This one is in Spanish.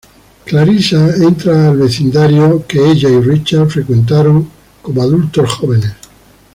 Clarissa entra al vecindario que ella y Richard frecuentaron como adultos jóvenes.